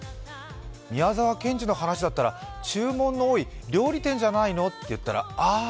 宮沢賢治の話だったら「注文の多い料理店」じゃないの？って言ったらああ、